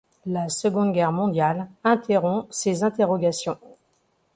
La Seconde Guerre mondiale interrompt ces interrogations.